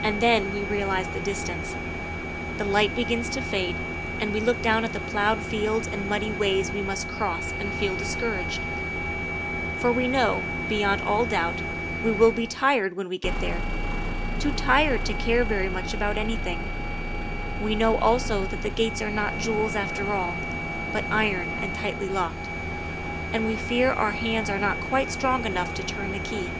And then we realize the distance. The light begins to fade, and we look down at the ploughed fields and muddy ways we must cross and feel discouraged. For we know, beyond all doubt, we will be tired when we get there too tired to care very much about anything; we know also that the gates are not jewels after all, but iron and tightly locked ; and we fear our hands are not quite strong enough to turn the key.